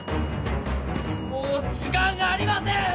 もう時間がありません！